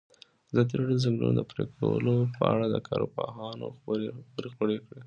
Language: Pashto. ازادي راډیو د د ځنګلونو پرېکول په اړه د کارپوهانو خبرې خپرې کړي.